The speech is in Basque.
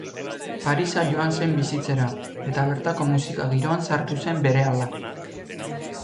Parisa joan zen bizitzera, eta bertako musika-giroan sartu zen berehala.